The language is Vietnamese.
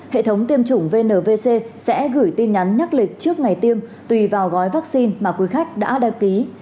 hệ thống tiêm chủng vnvc sẽ gửi tin nhắn nhắc lịch trước ngày tiêm tùy vào gói vaccine mà quý khách đã đăng ký